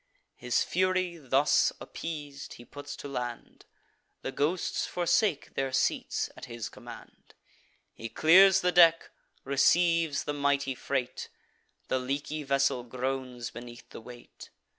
His fury thus appeas'd, he puts to land; The ghosts forsake their seats at his command: He clears the deck, receives the mighty freight; The leaky vessel groans beneath the weight.